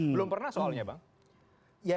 belum pernah soalnya bang